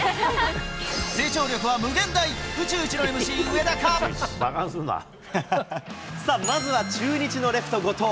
成長力は無限大、宇宙一のＭさあ、まずは中日のレフト、後藤。